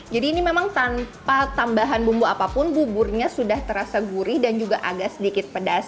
jadi ini memang tanpa tambahan bumbu apapun buburnya sudah terasa gurih dan juga agak sedikit pedas